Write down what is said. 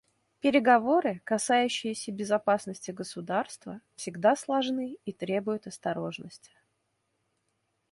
Переговоры, касающиеся безопасности государства, всегда сложны и требуют осторожности.